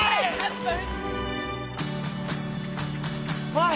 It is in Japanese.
おい。